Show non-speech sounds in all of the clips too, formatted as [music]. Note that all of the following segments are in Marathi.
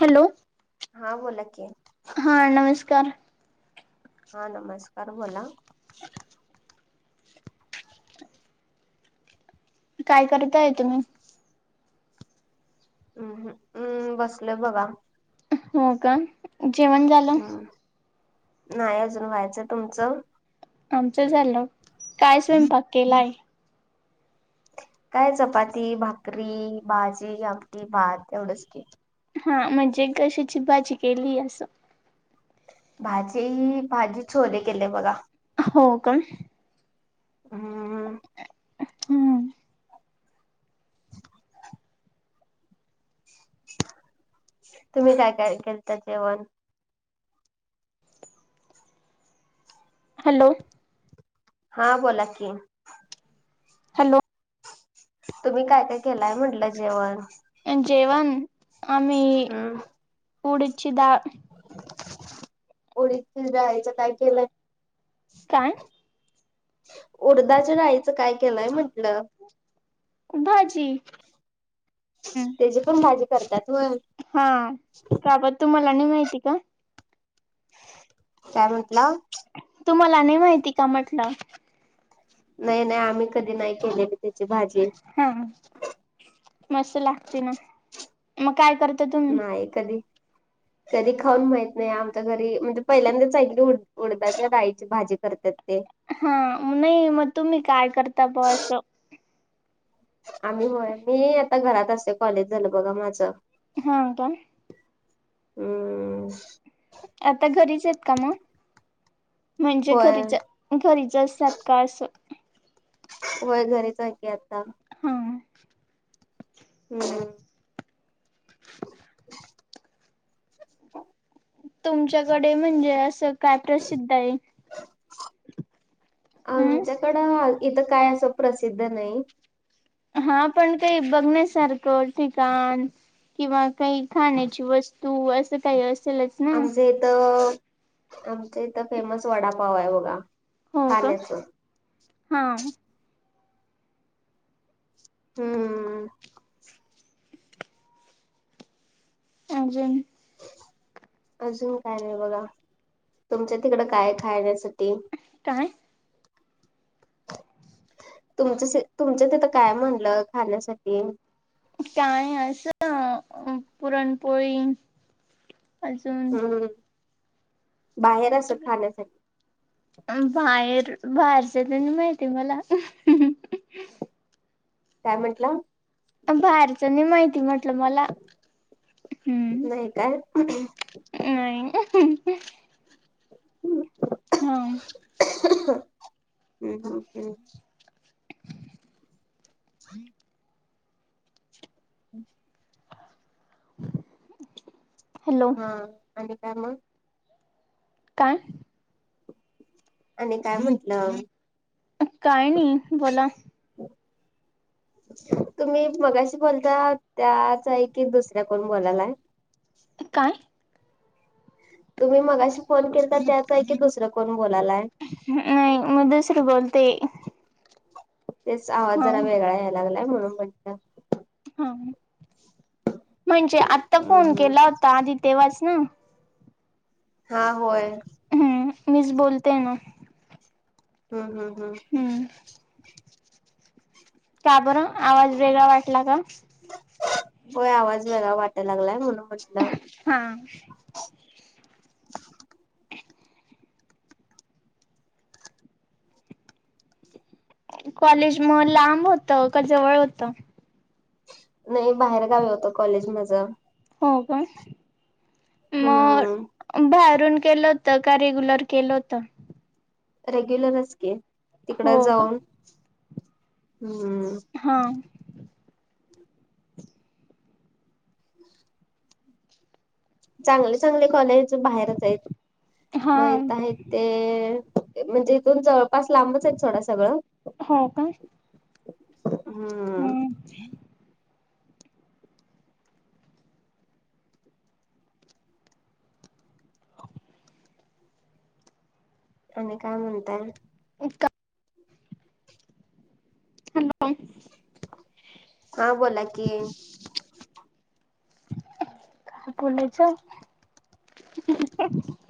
हॅलो. हा बोला की. हा नमस्कार! हा नमस्कार बोला. [inaudible] काय करताय तुम्ही. हम् हम्म बसलय बघा. हो का. जेवण झा हम् नाही अजून व्हायचं तुमचं? आमचं झालं काय स्वयंपाक केलाय? काय चपाती, भाकरी, भाजी, आमटी, भात एवढंच की हा म्हणजे कशाची भाजी केली असं भाजी भाजी छोले केले बघा. हो का हम्म हम्म [inaudible] तुम्ही काय काय करता जेवण हॅलो हा बोला की हॅलो तुम्ही काय काय केलाय म्हंटलं जेवण? जेवण आम हम उडीदची डाळ उडीदच्या डाळीचं काय केलंय? काय? उडदाच्या डाळीचं काय केलंय म्हंटलं? भाजी तेची पण भाजी करतात व्हय. हा का बर तुम्हाला नाही माहिती का? काय म्हंटला? तुम्हाला नाही माहिती का म्हटलं? नाही नाही आम्ही कधी नाही केली त्याची भाजी. हा मस्त लागते ना मग काय करता तु नाही कधी [inaudible] कधी खाऊन माहीत नाही आमच्या घरी म्हणजे पहिल्यांदाच ऐकली उड उडदाच्या डाळीची भाजी करतात ते हा नाही मग तुम्ही काय करता बुवा असं? आम्ही होय मी आता घरात असते कॉलेज झालं बघा माझं. हा का. हम्म आता घरीच आहेत का मग म्हणजे होय घरीच घरीच असतात का असं. होय घरीच आहे की आता हा हम्म तुमच्याकडे म्हणजे असं काय प्रसिद्ध आहे? हम् आमच्याकडं इथं काय असं प्रसिद्ध नाही हा पण काही बघण्या सारखं ठिकाण किंवा काही खाण्याची वस्तू असं काही अस आमच्या इथं आमच्या इथं फेमस वडापाव आहे बघा. हो का खाण्याच हा. हम्म अजून अजून काय नाही बघा तुमच्या तिकडं काय आहे खाण्यासाठी काय? तुम तुमच्या तिथं काय म्हणलं खाण्यासाठी? काय असं पुरणपोळी अजून हम्म बाहेर असं खाण्यासाठी बाहेर बाहेरचे त्यांनी माहिती मला काय म्हंटलं बाहेरचनी माहिती म्हटलं मला हम् नाही काय नाही हम हम्म हम्म हम् ह हम् हॅलो हा आणि काय मग काय आणि काय म्हंटलं काय नाही बोला तुम्ही मगाशी बोलता त्याचा आहे की दुसऱ्या कोण बोलायलाय काय तुम्ही मगाशी फोन केला तर त्याचचा आहे की दुसरं कोण बोलायलाय नाही मग दुसर बोलते तेच आवाज हा जरा वेगळा यायला लागलाय म्हणून म्हणत हा म्हणजे आता हम्म फोन हम्म केला होता आधी तेव्हाच ना हा होय हम्म मीच बोलते ना हम् हम हम् हम्म का बरं आवाज वेगळा वाटला का होय आवाज वेगळा वाटायला लागलाय म्हणूनलं हा कॉलेज मग लांब होत का जवळ होतं नाही बाहेर गावी होत कॉलेज माझ हो पण हम्म मग बाहेरून केलं तर का रेग्युलर केलं होत रेग्युलर असक तिकड हो का जाऊन हम्म हा [unintelligible] चांगले चांगले कॉलेज बाहेरच आहेत हा महत आहेत ते म्हणजे इथून जवळपास लांबच आहे थोडं सगळं हो का हम्म आणि काय म्हणताय उपका हॅलो हा बोला की काय बुलेच ह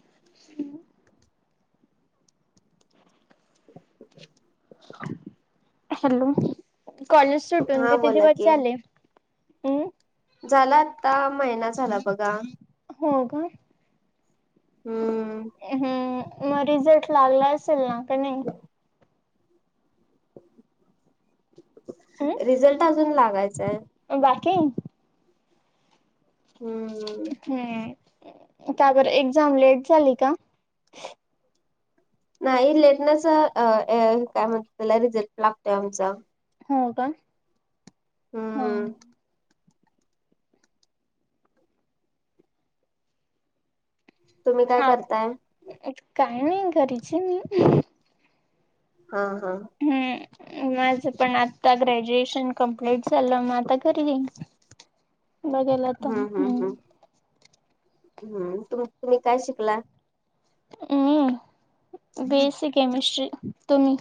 हॅलो कॉलेज सुटून हा किती बोला दिवस की ले झाला आत्ता महिना झाला बघा हो का हम्म हम् मग रिझल्ट लागला असेल ना का नाही, हम्म रिझल्ट अजून लागायचाय, बाकी हम्म हम् का बर एक्झाम लेट झाली का, नाही लेटणच, आ आ काय म्हणता त्याला? रिझल्ट लागतोय आमचा हो का? हा हम्म तुम्ही काय करताय? काय नाही घरीचं आहे मी. हा हा. हम्म. माझ पण आता ग्रॅज्युएशन कम्प्लीट झालं, मग आता घरी बघायला आता हम्म हम्, हम् हम्म तुम तुम्ही काय शिकला? मि बी इस्सी केमिस्ट्री, तु्म्ही?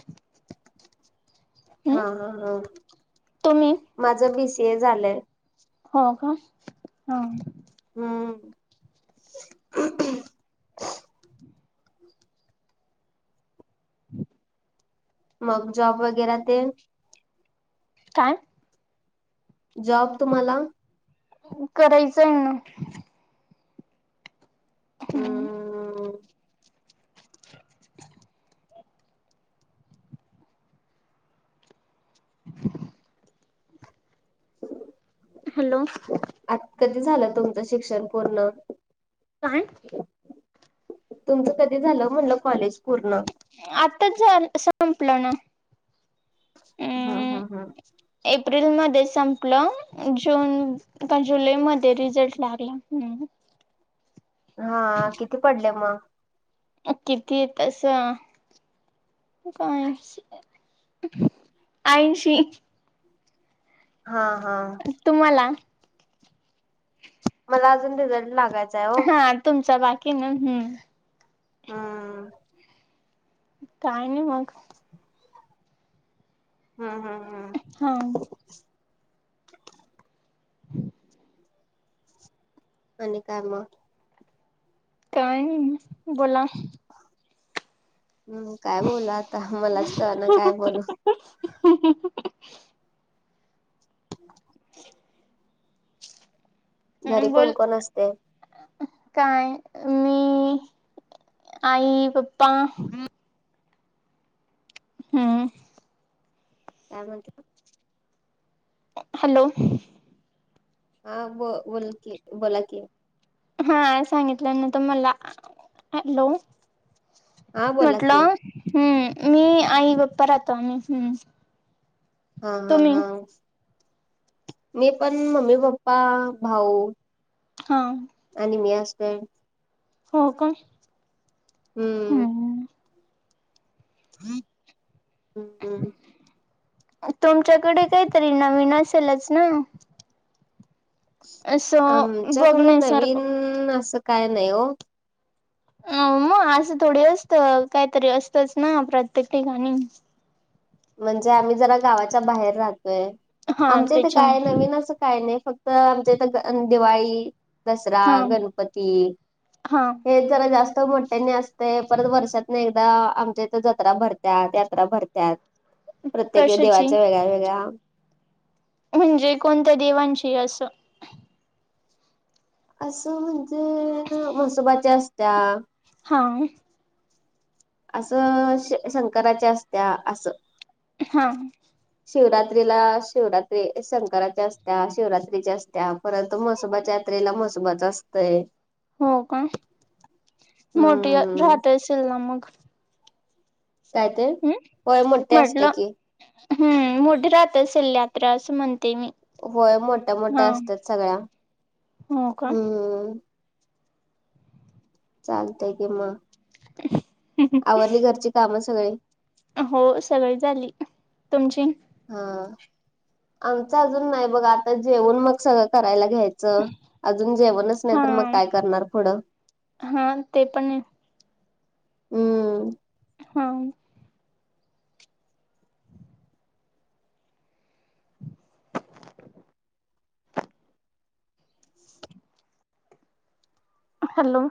हा हा ह. तुम्ही माझ बीसीए झालंय. हो का, हा. हम्म. मग जॉब वगैरे तेण? काय? जॉब तुम्हाला? करायचाय ना. हम्म. [unintelligible] हॅलो? आत कधी झालं तुमचं शिक्षण पूर्ण? काय? तुमचं कधी झालं म्हणलं कॉलेज पूर्ण? आताच झा संपलं ना. हा अम् हा हा. एप्रिल मध्ये संपलं-‍- जून का जुलै मध्ये रिझल्ट लागला, हम्म. हा किती पडले मग? कितीयेत? असं. काय, ऐंशी. हा हा. तुम्हाला? मला अजून रिझल्ट लागायचं. हा तुमचा बाकी आहे ना, हम्. हा. काय नाही मग. हं हं हं. हाव. आणि काय मग? काय नई, बोला हम् काय बोलु आता, मलाच कळना काय बोलू? ह [unintelligible] [unintelligible] घरी बोल कोण कोण असतंय? काय? मी आई पप्पा हम्म. कालवान केलं? हॅलो? हा ब बोलतेय बोला की हा सांगितल्यानंतर मला, हॅलो? हा बोला की. म्हटलं हम्म मी आई गप्पा राहतो हम्म? हा हा तुम्ही हा मी पण मम्मी पप्पा भाऊ. हा. आणि मी असत. हो का. हम्म. हम् हम्. तुमच्याकडे काहीतरी नवीन असेलच ना. असं आमच्याकड बघण्यासारखं नवीन असं काय नाही हो. अ मग असं थोडी असत काहीतरी असतच ना प्रत्येक ठिकाणी म्हणजे आम्ही जरा गावाच्या बाहेर राहतोय हा आमच इथे काय त्याच्यामुळे नवीन असं काय नाही फक्त आमच्या इथं दिवाळी दसरा हा गणपती हा हे जरा जास्त म्हटते नाही अस. ते परत वर्षात ना एकदा आमच्या इथे जत्रा भरत्याात यात्रा भरत्याात. प्रत्येकी कशाची देवाच्या वेगळ्या वेगळ्या म्हणजे कोणत्या देवांशी असं. असं म्हणजे मसोबाच्या असत्या. हा. असं श शंकराच्या असत्या असं. हा. शिवरात्रीला शिवरात्री शंकराच्या असत्या शिवरात्रीच्या असत्या परंतु महसोबाच्या जत्रेला मजबच असतय. हो का मोठी हम्म राहता ये असल ना मग काय ते होय हम् मोठे असते म्हटलं की हम्म मोठे राहात असेल यात्रा असं म्हणते मी होय मोठ्या हा मोठ्या असतात सगळ्या हो का हम्म. चालतय कि म आवरली घरची काम सगळी. हो सगळी झाली तुमची? हा आमच अजून नाही बघ आता जेवून मग सगळं करायला घ्यायचं. अजून जेवणच नाही हा तर मग काय करणार पुढं हा ते पण हम्म हा. हॅलो.